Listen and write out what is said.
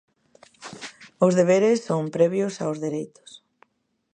Os deberes son previos aos dereitos.